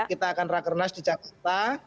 kita akan rakernas di jakarta